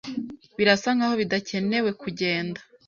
Birasa nkaho bidakenewe kugenda.